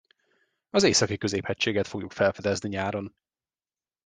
Az Északi-Középhegységet fogjuk felfedezni nyáron.